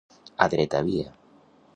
A dreta via.